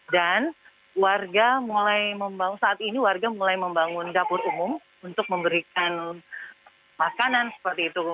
dan warga mulai membangun saat ini warga mulai membangun dapur umum untuk memberikan makanan seperti itu